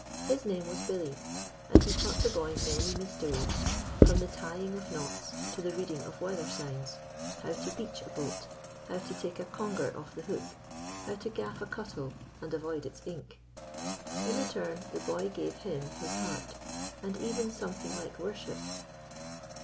His name was Billy, and he taught the boy many mysteries, from the tying of knots to the reading of weather signs; how to beach a boat, how to take a conger off the hook, how to gaff a cuttle and avoid its ink. ... In return the boy gave him his heart, and even something like worship.